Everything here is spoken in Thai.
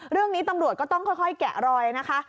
เรื่องนี้ตำรวจก็ต้องค่อยแกะรอยนะคะ